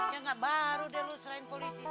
ya gak baru dia lo serahin polisi